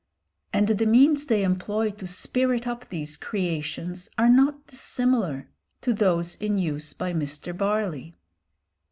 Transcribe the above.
And the means they employ to spirit up these creations are not dissimilar to those in use by Mr. Barley.